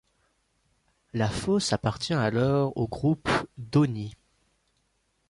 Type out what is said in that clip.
La fosse appartient alors au Groupe d'Oignies.